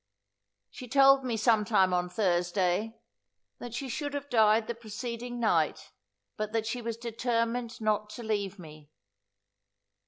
She told me some time on Thursday, "that she should have died the preceding night, but that she was determined not to leave me."